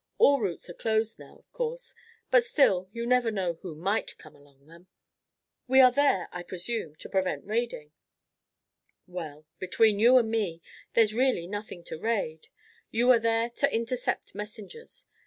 All routes are closed now, of course, but still you never know who might come along them." "We are there, I presume, to prevent raiding?" "Well, between you and me, there's really nothing to raid. You are there to intercept messengers.